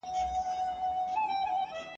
موږ دا نن لا خروښېدلو `